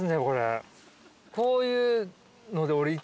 こういうので俺。